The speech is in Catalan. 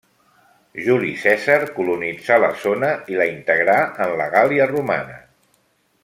Juli Cèsar colonitzà la zona i la integrà en la Gàl·lia romana.